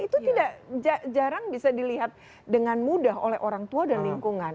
itu tidak jarang bisa dilihat dengan mudah oleh orang tua dan lingkungan